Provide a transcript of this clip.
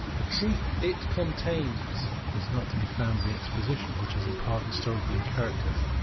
The truth it contains is not to be found in this exposition, which is in part historical in character.